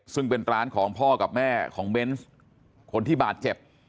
ซึ่งเป็นร้านของพ่อกับแม่ของเบนส์คนที่บาดเจ็บ